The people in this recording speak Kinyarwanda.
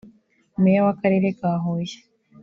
Meya w’akarere ka Huye